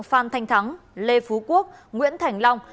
phan thanh thắng lê phú quốc nguyễn thành long